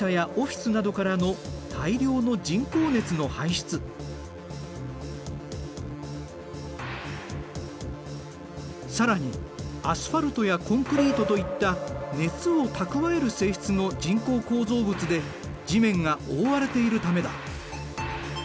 主な原因は更にアスファルトやコンクリートといった熱を蓄える性質の人工構造物で地面が覆われているためだ。